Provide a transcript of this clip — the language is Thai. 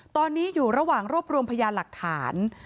ตอนนี้อยู่ระหว่างรวบรวมพยานหลักฐาน